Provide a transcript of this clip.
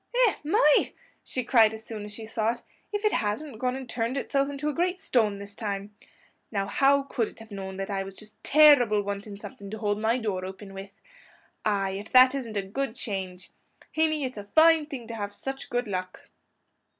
"Eh, my!" she cried as soon as she saw it; "if it hasn't gone and turned itself into a great stone this time! Now, how could it have known that I was just terrible wanting something to hold my door open with? Ay, if that isn't a good change! Hinny, it's a fine thing to have such good luck."